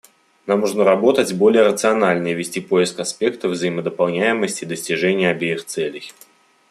Нам нужно работать более рационально и вести поиск аспектов взаимодополняемости и достижения обеих целей.